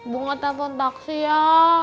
bu ngetelpon taksi ya